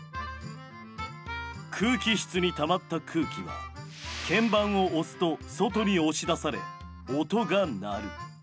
空気室にたまった空気は鍵盤を押すと外に押し出され音が鳴る。